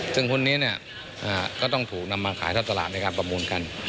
ซึ่งพวกนี้ก็ต้องถูกนำมาขายท่อตลาดในการประมูลกัน